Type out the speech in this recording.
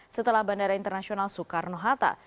setelah bandara internasional soekarno hatta